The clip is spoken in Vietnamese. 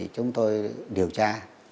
chúng tôi điều tra